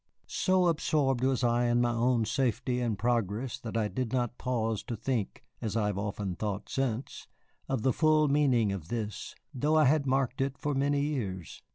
So absorbed was I in my own safety and progress that I did not pause to think (as I have often thought since) of the full meaning of this, though I had marked it for many years.